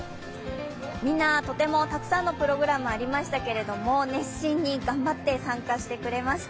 みんな、とてもたくさんのプログラムありましたけど熱心に頑張って参加してくれました。